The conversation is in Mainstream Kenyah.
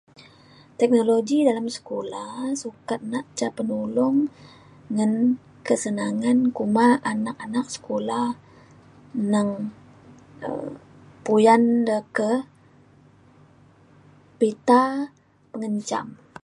teknologi dalem sekula sukat nak ca penulong ngan kesenangan kuma anak-anak sekula neng um puyan de ke pita pengenjam